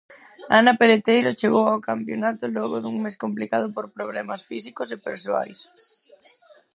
Ana Peleteiro chegou ao campionato logo dun mes complicado por problemas físicos e persoais.